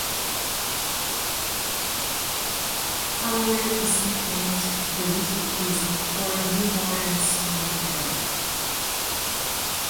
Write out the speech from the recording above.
Hallowell is nicknamed "The Little Easy," or "New Orleans on the Kennebec.